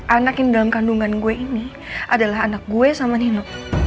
anak yang dalam kandungan gue ini adalah anak gue sama nino